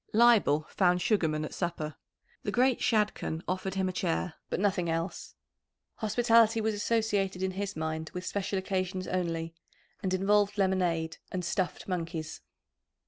Leibel found Sugarman at supper. The great Shadchan offered him a chair, but nothing else. Hospitality was associated in his mind with special occasions only, and involved lemonade and "stuffed monkeys."